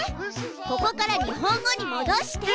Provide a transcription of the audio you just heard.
ここから日本語にもどして！